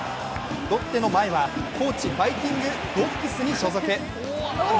ロッテの前は高知ファイティングドッグスに所属。